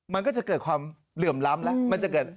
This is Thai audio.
มันก็จะเกิดความเหลื่อมล้ำแล้ว